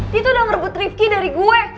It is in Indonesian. dia tuh udah merebut rifqi dari gue